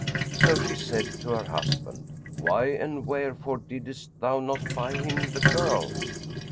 So she said to her husband, "Why and wherefore didest thou not buy him the girl?"